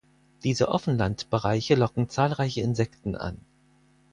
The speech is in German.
Diese Offenlandbereiche locken zahlreiche Insekten an.